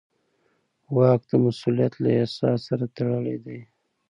واک د مسوولیت له احساس سره تړلی دی.